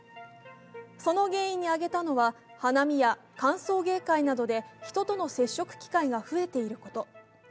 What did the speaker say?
その原因に挙げたのは、花見や歓送迎会などで人との接触機会が増えていること。